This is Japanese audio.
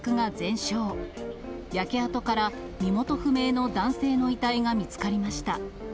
焼け跡から身元不明の男性の遺体が見つかりました。